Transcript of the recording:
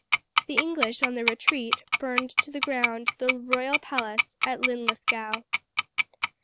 The English, on their retreat, burned to the ground the royal palace at Linlithgow.